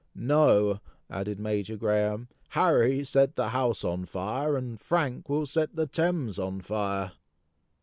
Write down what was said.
"No," added Major Graham; "Harry set the house on fire, and Frank will set the Thames on fire!"